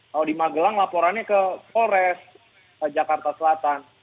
kalau di magelang laporannya ke polres jakarta selatan